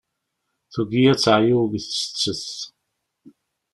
Tugi ad teɛyu deg usettet.